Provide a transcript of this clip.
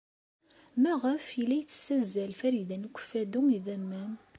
Maɣef ay la tessazzal Farida n Ukeffadu idammen?